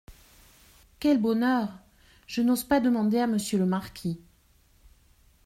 Quel bonheur ! je n'ose pas demander à monsieur le marquis …